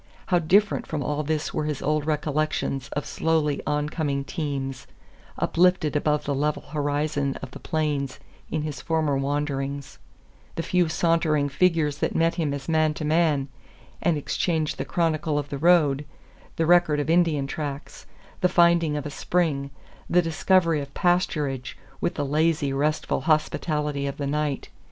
How different from all this were his old recollections of slowly oncoming teams, uplifted above the level horizon of the plains in his former wanderings; the few sauntering figures that met him as man to man, and exchanged the chronicle of the road; the record of Indian tracks; the finding of a spring; the discovery of pasturage, with the lazy, restful hospitality of the night!